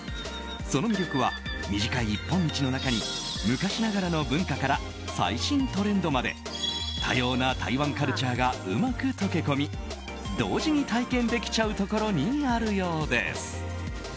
その魅力は、短い一本道の中に昔ながらの文化から最新トレンドまで多様な台湾カルチャーがうまく溶け込み同時に体験できちゃうところにあるようです。